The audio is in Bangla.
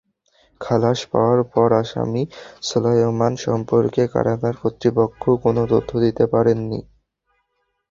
খালাস পাওয়া অন্য আসামি সোলায়মান সম্পর্কে কারাগার কর্তৃপক্ষ কোনো তথ্য দিতে পারেনি।